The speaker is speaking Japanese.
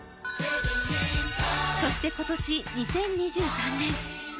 そして今年、２０２３年。